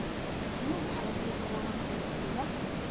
Tessneḍ ḥedd iẓewren deg tsegda?